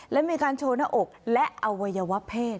และมีการโชว์หน้าอกและอวัยวะเพศ